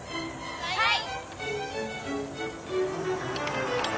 はい。